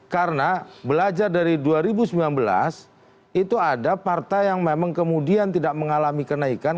karena belajar dari dua ribu sembilan belas itu ada partai yang memang kemudian tidak mengalami kenaikan